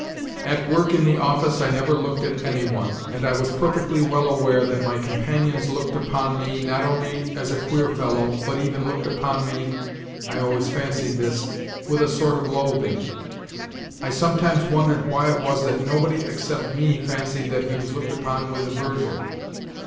At work in. the office I never looked at any one, and I was perfectly well aware that my companions looked upon me, not only as a queer fellow, but even looked upon me I always fancied this with a sort of loathing. I sometimes wondered why it was that nobody except me fancied, that he was looked upon with aversion